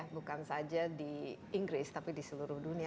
bukan saja di inggris tapi di seluruh dunia